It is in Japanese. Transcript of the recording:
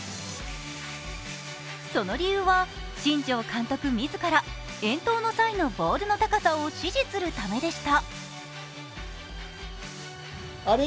その理由は、新庄監督自ら遠投の際のボールの高さを指示するためでした。